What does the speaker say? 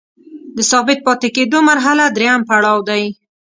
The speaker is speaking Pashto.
د ثابت پاتې کیدو مرحله دریم پړاو دی.